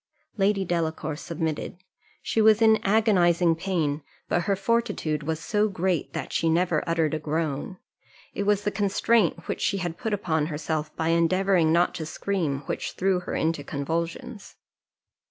Lady Delacour submitted: she was in agonizing pain, but her fortitude was so great that she never uttered a groan. It was the constraint which she had put upon herself, by endeavouring not to scream, which threw her into convulsions.